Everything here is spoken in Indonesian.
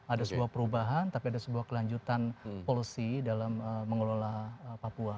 ada sebuah perubahan tapi ada sebuah kelanjutan policy dalam mengelola papua